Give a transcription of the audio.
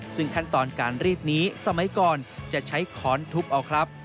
ซึ่งขั้นตอนการรีดนี้สมัยก่อนจะใช้ค้อนทุบเอาครับ